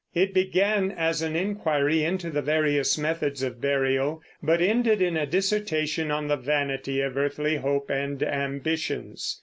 It began as an inquiry into the various methods of burial, but ended in a dissertation on the vanity of earthly hope and ambitions.